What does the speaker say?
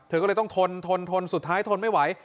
เธอก็เลยต้องทนทนทนสุดท้ายทนไม่ไหว